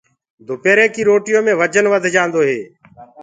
دُپيري ڪي روٽيو مي وجن وڌ جآندو هي۔